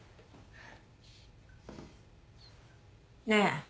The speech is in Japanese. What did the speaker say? ねえ。